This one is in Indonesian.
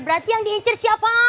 berarti yang diincer siapa